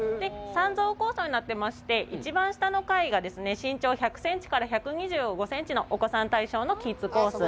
３層構造になっていまして、一番下の階が身長１００センチから１２５センチのお子さん専用のキッズコース。